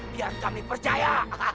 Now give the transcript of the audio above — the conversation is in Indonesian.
biar kami percaya